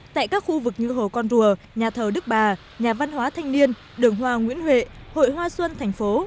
tại các khu vực như hồ con rùa nhà thờ đức bà nhà văn hóa thanh niên đường hoa nguyễn huệ hội hoa xuân thành phố